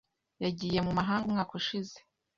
Yagiye mu mahanga umwaka ushize.